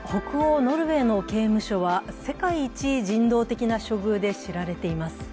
ノルウェーの刑務所は世界一人道的な処遇で知られています。